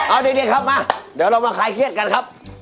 เอาเดี๋ยวครับมาเดี๋ยวเรามาคลายเครียดกันครับ